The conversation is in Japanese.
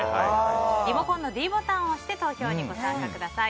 リモコンのｄボタンを押して投票にご参加ください。